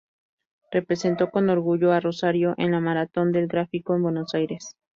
Representó con orgullo a Rosario, en la maratón de "El Gráfico", en Buenos Aires.